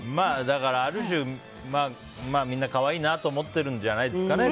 だから、ある種みんな可愛いなと思ってるんじゃないですかね